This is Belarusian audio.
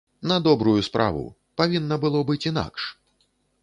На добрую справу, павінна было быць інакш.